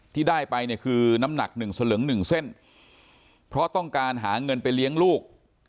ที่ได้ไปเนี่ยคือน้ำหนักหนึ่งสลึงหนึ่งเส้นเพราะต้องการหาเงินไปเลี้ยงลูก